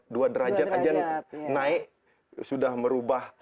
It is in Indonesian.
dua derajat aja naik sudah merubah